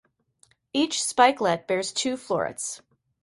Each spikelet bears two florets.